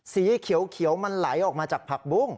สีเขียวมันไหลออกมาจากผักบุ้ง